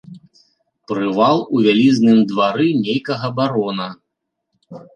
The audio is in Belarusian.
Прывал у вялізным двары нейкага барона.